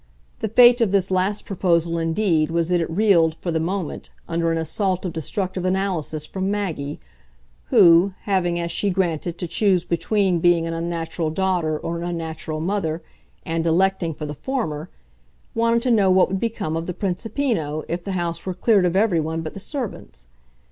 The fate of this last proposal indeed was that it reeled, for the moment, under an assault of destructive analysis from Maggie, who having, as she granted, to choose between being an unnatural daughter or an unnatural mother, and "electing" for the former wanted to know what would become of the Principino if the house were cleared of everyone but the servants.